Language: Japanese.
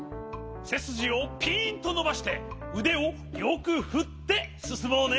せすじをピンとのばしてうでをよくふってすすもうね。